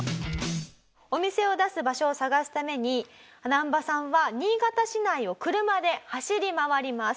お店を出す場所を探すためにナンバさんは新潟市内を車で走り回ります。